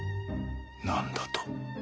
何だと？